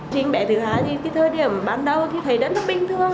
nhưng bé thứ hai thì thời điểm ban đầu thì thấy rất là bình thường